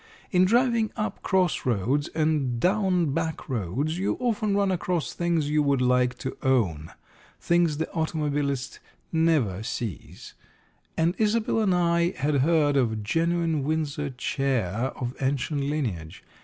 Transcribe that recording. In driving up cross roads and down back roads you often run across things you would like to own things the automobilist never sees and Isobel and I had heard of a genuine Windsor chair of ancient lineage.